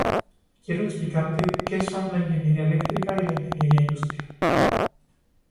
Quiero explicarte qué son la ingeniería eléctrica y la ingeniería industrial.